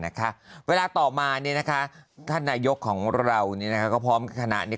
เวลาต่อมาเนี่ยนะคะท่านนายกของเราก็พร้อมคณะนี้